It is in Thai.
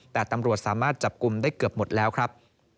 แต่ตำรวจสามารถจับกลุ่มได้เกือบหมดแล้วครับ